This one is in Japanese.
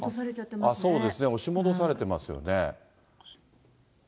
そうですね、押し戻されてますよね。